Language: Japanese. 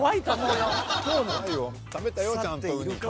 食べたよちゃんとウニ。